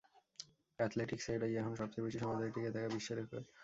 অ্যাথলেটিকসে এটাই এখনো সবচেয়ে বেশি সময় ধরে টিকে থাকা বিশ্ব রেকর্ড।